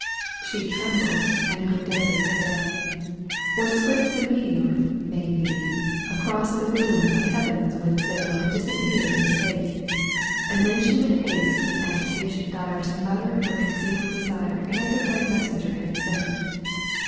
She trembled and grew deadly pale. Or a swift meteor, may be. Across the gloom of heaven would sail And disappear in space ; then she Would haste in agitation dire To mutter her concealed desire Ere the bright messenger had set.